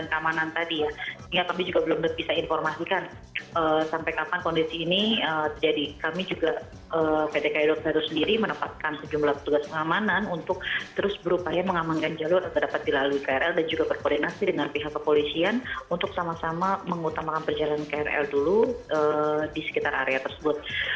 ya tapi juga belum bisa informasikan sampai kapan kondisi ini jadi kami juga pt kedo sendiri menempatkan sejumlah tugas pengamanan untuk terus berupaya mengamankan jalur yang terdapat di lalu krl dan juga berkoordinasi dengan pihak kepolisian untuk sama sama mengutamakan perjalanan krl dulu di sekitar area tersebut